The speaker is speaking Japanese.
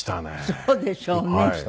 そうでしょうね。